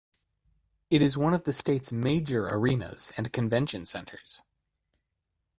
It is one of the state's major arenas and convention centers.